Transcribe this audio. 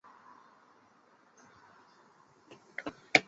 糙臭草为禾本科臭草属下的一个种。